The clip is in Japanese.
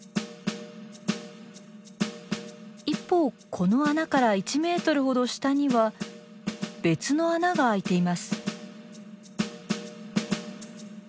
一方この穴から１メートルほど下には別の穴があいています。